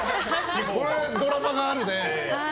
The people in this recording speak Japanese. これはドラマがあるね。